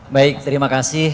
baik terima kasih